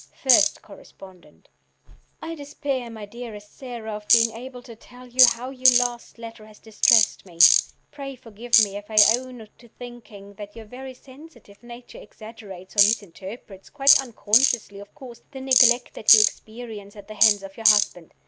FIRST CORRESPONDENT: "I despair, my dearest Sara, of being able to tell you how your last letter has distressed me. Pray forgive me if I own to thinking that your very sensitive nature exaggerates or misinterprets, quite unconsciously, of course, the neglect that you experience at the hands of your husband.